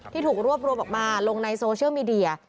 ถูกรวบรวมออกมาลงในโซเชียลมีเดีย